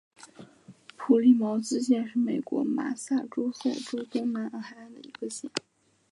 普利茅斯县是美国麻萨诸塞州东南海岸的一个县。